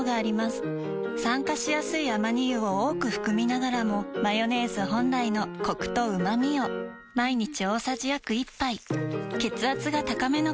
酸化しやすいアマニ油を多く含みながらもマヨネーズ本来のコクとうまみを毎日大さじ約１杯血圧が高めの方に機能性表示食品